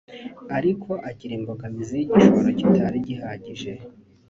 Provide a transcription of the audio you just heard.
ariko agira imbogamizi y’igishoro kitari gihagije